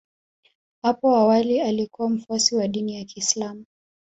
Apo awali alikuwa mfuasi wa dini ya Kiislam